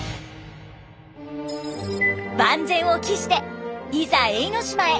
万全を期していざ永ノ島へ。